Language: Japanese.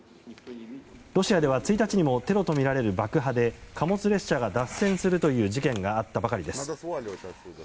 ロシアでは１日にもテロとみられる爆破で貨物列車が脱線するという事件があったばかりです。